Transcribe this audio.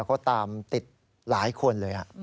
เขาตามติดหลายคนเลย